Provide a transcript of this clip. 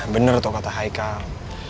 bener tuh kata haikal